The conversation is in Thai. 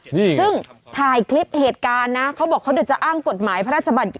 นี่ซึ่งถ่ายคลิปเหตุการณ์นะเขาบอกเขาเดี๋ยวจะอ้างกฎหมายพระราชบัติ